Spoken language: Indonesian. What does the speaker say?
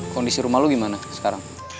kondisi rumah lo gimana sekarang